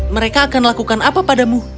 mereka akan lakukan apa padamu